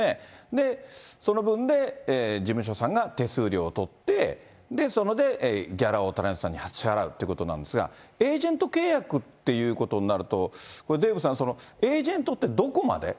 で、その分で事務所さんが手数料を取って、それでギャラをタレントさんに支払うってことなんですが、エージェント契約っていうことになると、デーブさん、エージェントってどこまで？